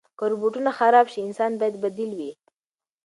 که روبوټونه خراب شي، انسان باید بدیل وي.